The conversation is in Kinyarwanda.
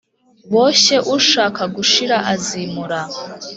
boshye ushaka gushira azimura